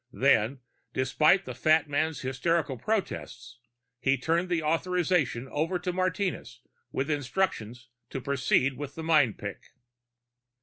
Then, despite the fat man's hysterical protests, he turned the authorization over to Martinez with instructions to proceed with the mind pick.